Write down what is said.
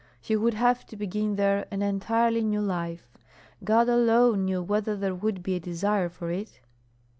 He would have to begin there an entirely new life. God alone knew whether there would be a desire for it.